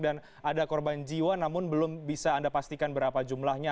dan ada korban jiwa namun belum bisa anda pastikan berapa jumlahnya